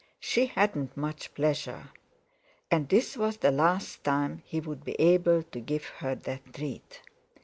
She hadn't much pleasure, and this was the last time he would be able to give her that treat.